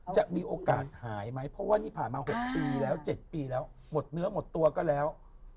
จะมีโอกาสหายไหมเพราะว่านี่ผ่านมา๖ปีแล้ว๗ปีแล้วหมดเนื้อหมดตัวก็แล้ว